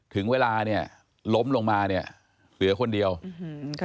ถึงเวลาเนี่ยล้มลงมาเนี่ยเผลอคนเดียวอืม